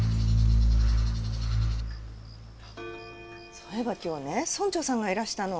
そういえば今日ね村長さんがいらしたの。